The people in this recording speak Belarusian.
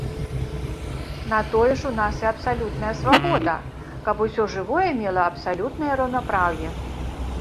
На тое ж у нас і абсалютная свабода, каб усё жывое мела абсалютнае раўнапраўе.